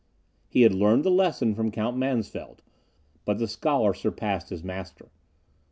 He had learned the lesson from Count Mansfeld; but the scholar surpassed his master.